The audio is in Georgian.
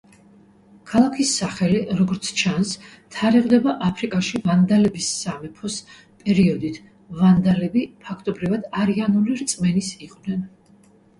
ქალაქის სახელი, როგორც ჩანს, თარიღდება აფრიკაში ვანდალების სამეფოს პერიოდით: ვანდალები, ფაქტობრივად არიანული რწმენის იყვნენ.